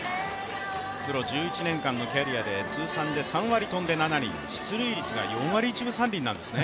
ぷろ１１年間のキャリアで通算で３割７厘、出塁率が４割１分３厘なんですね。